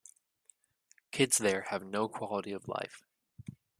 Kids there have no quality of life.